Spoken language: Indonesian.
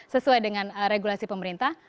sesuai dengan regulasi pemerintah